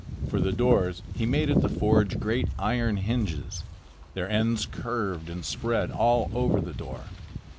For the doors he made at the forge great iron hinges. Their ends curved and spread all over the door.